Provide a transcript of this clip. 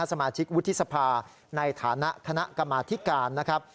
สมาชิกวุฒิสภาในฐานะคณะกรรมาธิการนะครับ